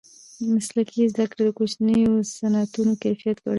مسلکي زده کړې د کوچنیو صنعتونو کیفیت لوړوي.